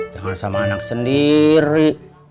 jangan sama anak sendiri